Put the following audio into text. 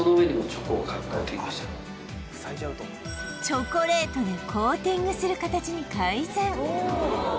チョコレートでコーティングする形に改善